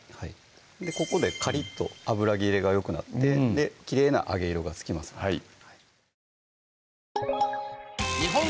ここでカリッと油ぎれがよくなってきれいな揚げ色がつきますのではい